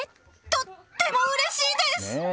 とってもうれしいです！